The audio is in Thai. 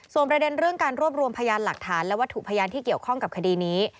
ประเด็นเรื่องการรวบรวมพยานหลักฐานและวัตถุพยานที่เกี่ยวข้องกับคดีนี้